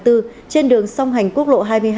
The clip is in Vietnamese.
trên đường song hành quốc lộ hai mươi hai